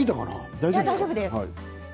大丈夫です。